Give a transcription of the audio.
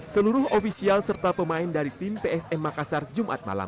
seluruh ofisial serta pemain dari tim psm makassar jumat malam